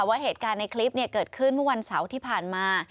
ว่าเหตุการณ์ในคลิปเกิดขึ้นเมื่อวันเสาร์ที่ผ่านมา